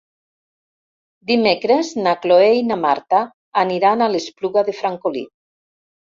Dimecres na Cloè i na Marta aniran a l'Espluga de Francolí.